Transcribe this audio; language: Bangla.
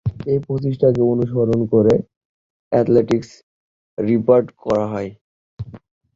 এই প্রচেষ্টাকে অনুসরণ করে অ্যাথলেটিক্স রিব্র্যান্ড করা হয়।